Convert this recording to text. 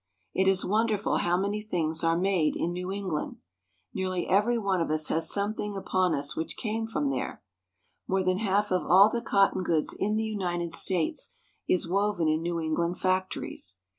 It is wonderful how many things are made in New Eng land. Nearly every one of us has something upon us which came from there. More than half of all the cotton Interior of a Cotton Factory. goods in the United States is woven in New England fac tories.